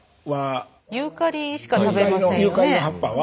ユーカリしか食べませんよね。